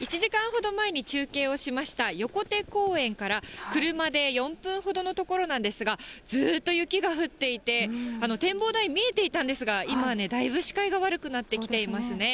１時間ほど前に中継をしました横手公園から、車で４分ほどの所なんですが、ずーっと雪が降っていて、展望台、見えていたんですが、今ね、だいぶ視界が悪くなってきていますね。